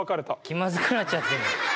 気まずくなっちゃってる。